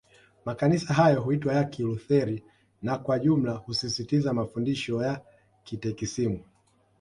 Makanisa hayo huitwa ya Kilutheri na Kwa jumla husisitiza mafundisho ya Katekisimu